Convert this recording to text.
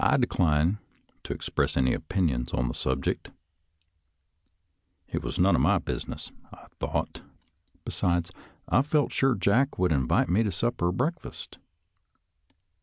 I declined to express any opinion on the sub ject — it was none of my business, I thought; besides, I felt sure Jack would invite me to sup per or breakfast.